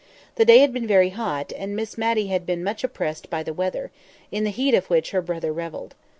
The day had been very hot, and Miss Matty had been much oppressed by the weather, in the heat of which her brother revelled.